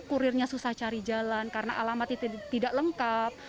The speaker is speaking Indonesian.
kurirnya susah cari jalan karena alamatnya tidak lengkap